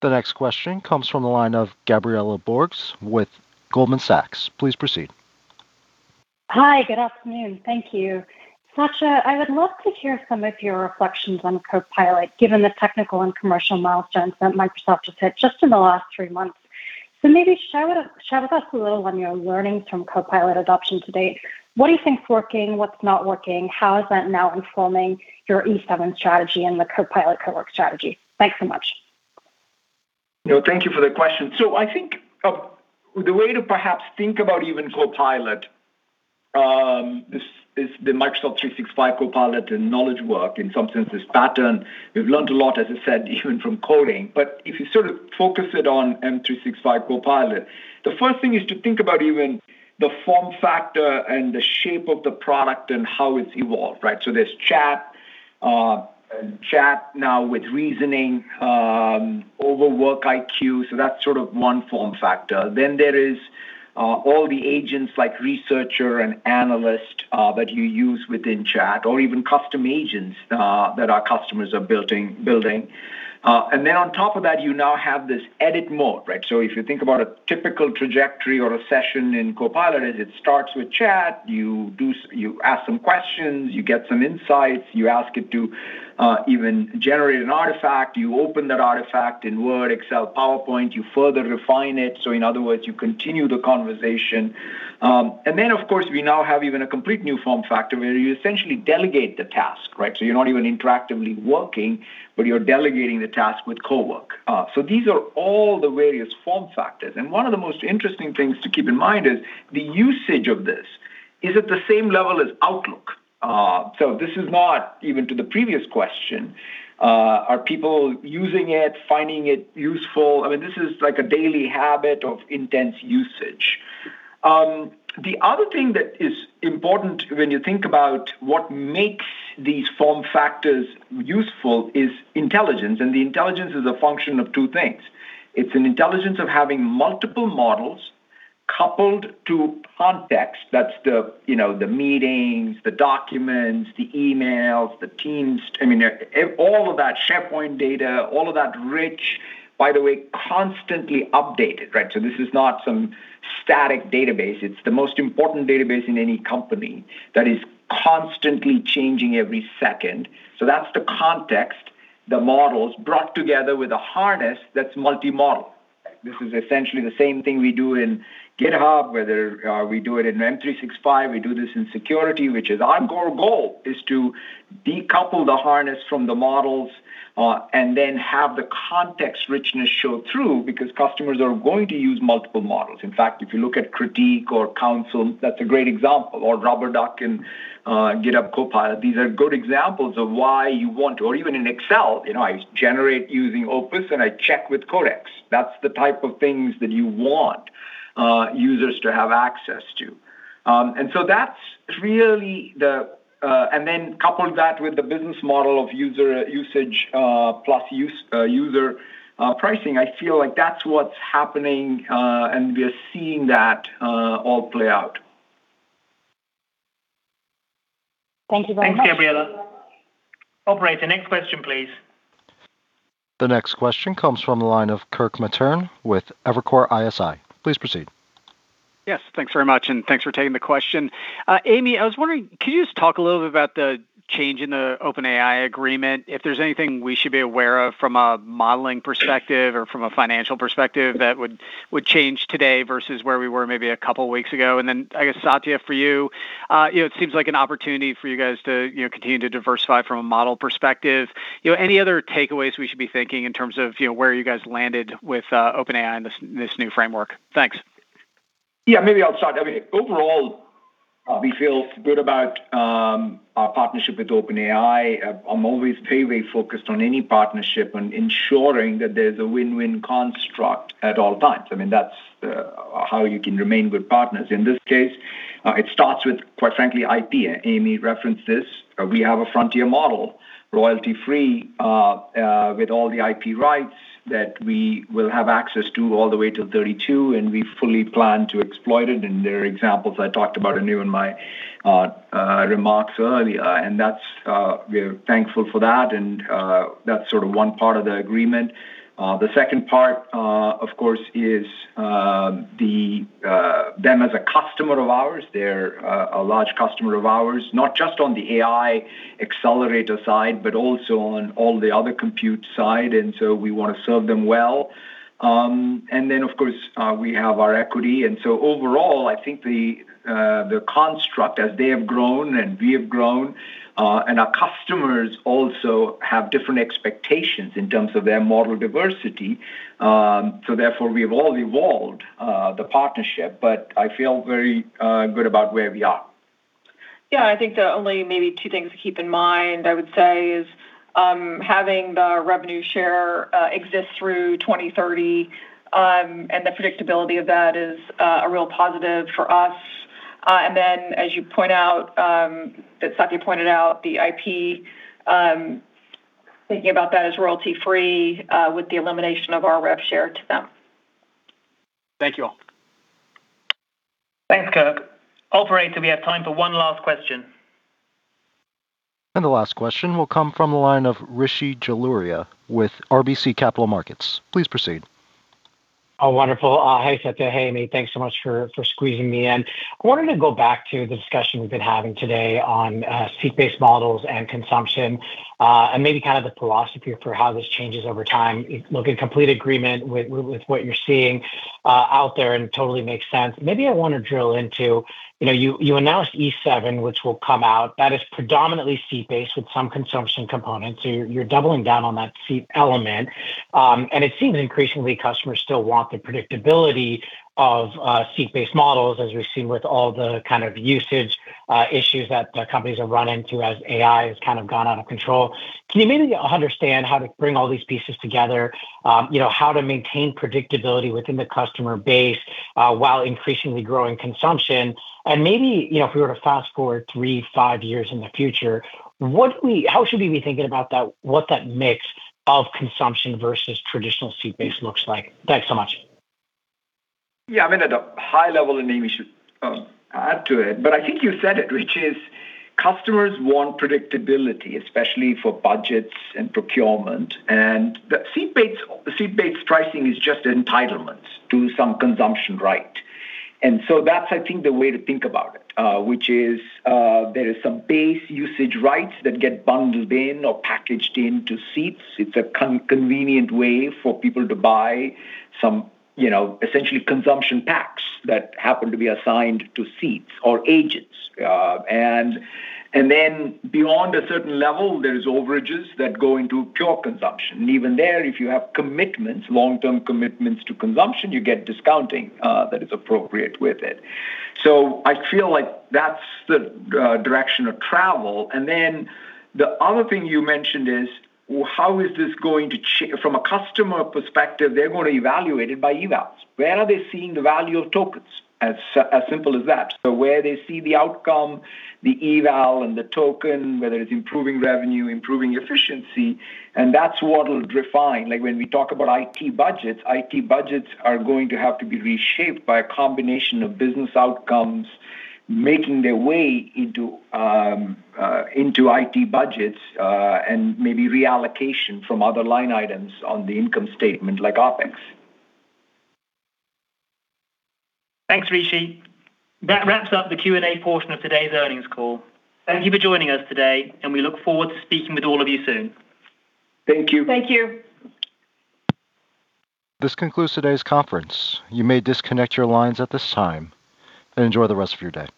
The next question comes from the line of Gabriela Borges with Goldman Sachs. Please proceed. Hi, good afternoon. Thank you. Satya, I would love to hear some of your reflections on Copilot, given the technical and commercial milestones that Microsoft just hit in the last three months. Maybe share with us a little on your learnings from Copilot adoption to date. What do you think is working? What's not working? How is that now informing your E7 strategy and the Copilot Cowork strategy? Thanks so much. You know, thank you for the question. I think the way to perhaps think about even Copilot is the Microsoft 365 Copilot and knowledge work. In some sense, it's pattern. We've learned a lot, as I said, even from coding. If you sort of focus it on M365 Copilot, the first thing is to think about even the form factor and the shape of the product and how it's evolved, right? There's chat now with reasoning over Work IQ. That's sort of one form factor. There is all the agents like Researcher and analyst that you use within chat or even custom agents that our customers are building. And then on top of that, you now have this edit mode, right? If you think about a typical trajectory or a session in Copilot, it starts with chat. You ask some questions, you get some insights. You ask it to even generate an artifact. You open that artifact in Word, Excel, PowerPoint. You further refine it. In other words, you continue the conversation. We now have even a complete new form factor where you essentially delegate the task, right? You're not even interactively working, but you're delegating the task with Cowork. These are all the various form factors. One of the most interesting things to keep in mind is the usage of this is at the same level as Outlook. This is not even to the previous question, are people using it, finding it useful? I mean, this is like a daily habit of intense usage. The other thing that is important when you think about what makes these form factors useful is intelligence, and the intelligence is a function of two things. It's an intelligence of having multiple models coupled to context. That's the, you know, the meetings, the documents, the emails, the Teams. I mean, all of that SharePoint data, all of that rich, by the way, constantly updated, right? So this is not some static database. It's the most important database in any company that is constantly changing every second. So that's the context, the models brought together with a harness that's multi-model. This is essentially the same thing we do in GitHub, whether we do it in M365, we do this in security, which is our goal is to decouple the harness from the models, and then have the context richness show through because customers are going to use multiple models. In fact, if you look at Critique or Council, that's a great example, or Rubber Duck and GitHub Copilot. These are good examples of why you want to. Or even in Excel, you know, I generate using Opus, and I check with Codex. That's the type of things that you want users to have access to. So that's really the. Then couple that with the business model of user usage plus user pricing. I feel like that's what's happening, and we are seeing that, all play out. Thank you very much. Thanks, Gabriela. Operator, next question, please. The next question comes from the line of Kirk Materne with Evercore ISI. Please proceed. Yes, thanks very much, and thanks for taking the question. Amy, I was wondering, can you just talk a little bit about the change in the OpenAI agreement, if there's anything we should be aware of from a modeling perspective or from a financial perspective that would change today versus where we were maybe a couple weeks ago? I guess, Satya, for you know, it seems like an opportunity for you guys to, you know, continue to diversify from a model perspective. You know, any other takeaways we should be thinking in terms of, you know, where you guys landed with OpenAI and this new framework? Thanks. Yeah, maybe I'll start. I mean, overall, we feel good about our partnership with OpenAI. I'm always very focused on any partnership on ensuring that there's a win-win construct at all times. I mean, that's how you can remain good partners. In this case, it starts with, quite frankly, IP. Amy referenced this. We have a frontier model, royalty-free, with all the IP rights that we will have access to all the way till 2032, and we fully plan to exploit it. There are examples I talked about earlier in my remarks, and we're thankful for that, and that's sort of one part of the agreement. The second part, of course, is them as a customer of ours. They're a large customer of ours, not just on the AI accelerator side, but also on all the other compute side, and so we want to serve them well. Of course, we have our equity. Overall, I think the construct, as they have grown and we have grown, and our customers also have different expectations in terms of their model diversity, so therefore, we have all evolved the partnership. I feel very good about where we are. Yeah, I think the only maybe two things to keep in mind, I would say, is having the revenue share exist through 2030, and the predictability of that is a real positive for us. And then as you point out, that Satya pointed out, the IP, thinking about that as royalty-free, with the elimination of our rev share to them. Thank you all. Thanks, Kirk. Operator, we have time for one last question. The last question will come from the line of Rishi Jaluria with RBC Capital Markets. Please proceed. Oh, wonderful. Hey, Satya. Hey, Amy. Thanks so much for squeezing me in. I wanted to go back to the discussion we've been having today on seat-based models and consumption, and maybe kind of the philosophy for how this changes over time. Look, in complete agreement with what you're seeing out there and totally makes sense. Maybe I wanna drill into, you know, you announced E7, which will come out. That is predominantly seat-based with some consumption components, so you're doubling down on that seat element. And it seems increasingly customers still want the predictability of seat-based models, as we've seen with all the kind of usage issues that the companies have run into as AI has kind of gone out of control. Can you maybe understand how to bring all these pieces together? You know, how to maintain predictability within the customer base while increasingly growing consumption? Maybe, you know, if we were to fast-forward three to five years in the future, how should we be thinking about that, what that mix of consumption versus traditional seat-based looks like? Thanks so much. Yeah, I mean, at a high level, and Amy should add to it, but I think you said it, which is customers want predictability, especially for budgets and procurement. The seat-based pricing is just entitlement to some consumption right. That's, I think, the way to think about it, which is, there is some base usage rights that get bundled in or packaged into seats. It's a convenient way for people to buy some, you know, essentially consumption packs that happen to be assigned to seats or agents. Beyond a certain level, there's overages that go into pure consumption. Even there, if you have commitments, long-term commitments to consumption, you get discounting that is appropriate with it. I feel like that's the direction of travel. Then the other thing you mentioned is, how is this going to. From a customer perspective, they're gonna evaluate it by evals. Where are they seeing the value of tokens? As simple as that. Where they see the outcome, the eval and the token, whether it's improving revenue, improving efficiency, and that's what'll define. Like, when we talk about IT budgets, IT budgets are going to have to be reshaped by a combination of business outcomes making their way into IT budgets, and maybe reallocation from other line items on the income statement like OpEx. Thanks, Rishi. That wraps up the Q&A portion of today's earnings call. Thank you for joining us today, and we look forward to speaking with all of you soon. Thank you. Thank you. This concludes today's conference. You may disconnect your lines at this time, and enjoy the rest of your day.